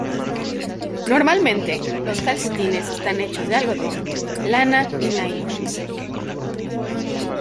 Normalmente, los calcetines están hechos de algodón, lana o nailon.